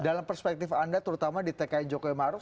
dalam perspektif anda terutama di tkn jokowi maruf